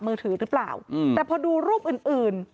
มือถือหรือเปล่าแต่พอดูรูปอื่นอื่น